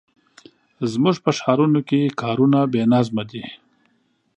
زموږ په ښارونو کې کارونه بې نظمه دي.